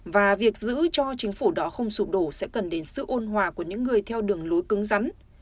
và việc giữ cho chính phủ đó không sụp đổ sẽ cần đến sự ôn hòa của những người theo đường lối cứng rắn